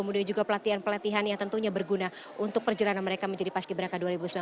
dan juga pelatihan pelatihan yang tentunya berguna untuk perjalanan mereka menjadi paski berangkat dua ribu sembilan belas